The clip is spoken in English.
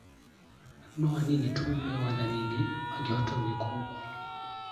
Few of those in power could do that.